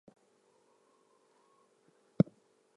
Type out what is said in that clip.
He served under Secretary of State Colin Powell.